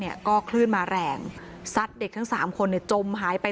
พระบาทก็แบบมาแรงซัดเด็กทั้ง๓คนจมหายไป